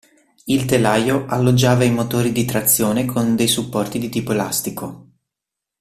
Il telaio alloggiava i motori di trazione con dei supporti di tipo elastico.